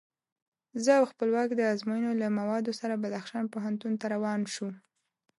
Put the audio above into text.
زه او خپلواک د ازموینو له موادو سره بدخشان پوهنتون ته روان شوو.